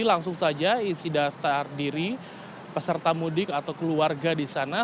langsung saja isi daftar diri peserta mudik atau keluarga di sana